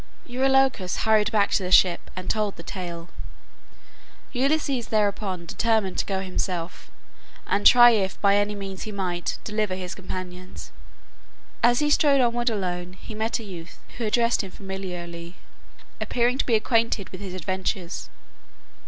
Eurylochus hurried back to the ship and told the tale. Ulysses thereupon determined to go himself, and try if by any means he might deliver his companions. As he strode onward alone, he met a youth who addressed him familiarly, appearing to be acquainted with his adventures.